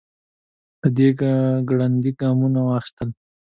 دی ګړندي ګامونه واخيستل.